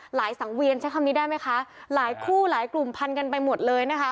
สังเวียนใช้คำนี้ได้ไหมคะหลายคู่หลายกลุ่มพันกันไปหมดเลยนะคะ